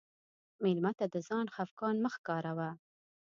مېلمه ته د ځان خفګان مه ښکاروه.